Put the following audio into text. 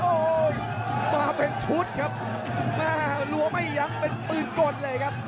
โอ้โหมาเป็นชุดครับแม่ล้วงไม่ยั้งเป็นปืนกดเลยครับ